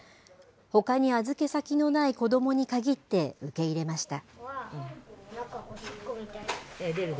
ほかに預け先のない子どもに限って受け入れました。